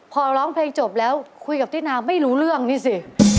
พอร้องเพลงจบแล้วคุยกับตินาไม่รู้เรื่องนี่สิ